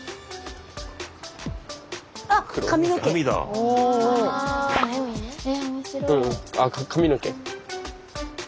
あ髪の毛。